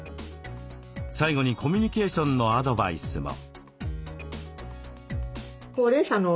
最後にコミュニケーションのアドバイスも。